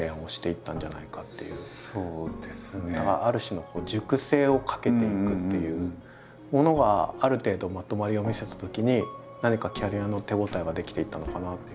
ある種の熟成をかけていくというものがある程度まとまりを見せたときに何かキャリアの手応えが出来ていったのかな。